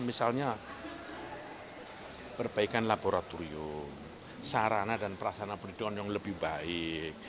misalnya perbaikan laboratorium sarana dan perasana pendidikan yang lebih baik